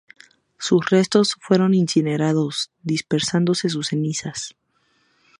Sus restos fueron incinerados, dispersándose sus cenizas.